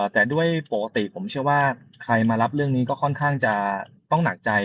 แต่ด้วยปกติผมเชื่อว่าใครมารับเรื่องนี้ก็ค่อนข้างจะต้องหนักใจ